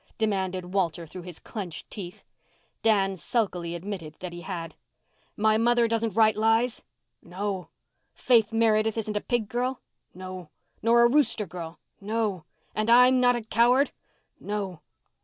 demanded Walter through his clenched teeth. Dan sulkily admitted that he had. "My mother doesn't write lies?" "No." "Faith Meredith isn't a pig girl?" "No." "Nor a rooster girl?" "No." "And I'm not a coward?" "No."